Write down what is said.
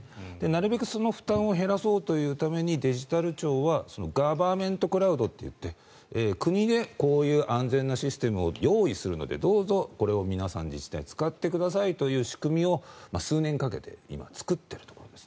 なるべくその負担を減らそうというためにデジタル庁はガバメントクラウドといって国でこういう安全なシステムを用意するのでどうぞ自治体の皆さん、これを使ってくださいという仕組みを数年かけて今、作っているところです。